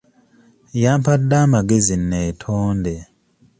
Yampadde amagezi neetonde.